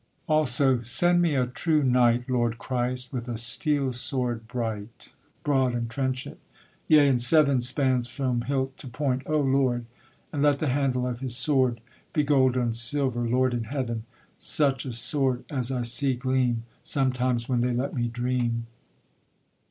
_ Also: _Send me a true knight, Lord Christ, with a steel sword, bright, Broad, and trenchant; yea, and seven Spans from hilt to point, O Lord! And let the handle of his sword Be gold on silver, Lord in heaven! Such a sword as I see gleam Sometimes, when they let me dream.